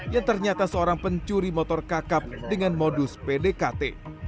yang ternyata seorang pencuri motor kakap dengan modus pdkt